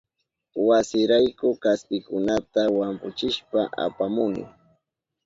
Wasirayku kaspikunata wampuchishpa apamuni.